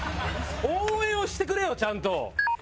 応援をしてくれよちゃんと！